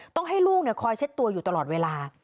ต้องให้ลูกคอยเช็ดตัวอยู่ตลอดเวลา